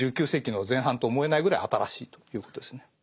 １９世紀の前半と思えないぐらい新しいということですね。